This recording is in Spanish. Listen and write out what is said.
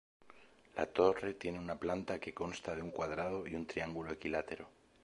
La torre tiene una planta que consta de un cuadrado y un triángulo equilátero.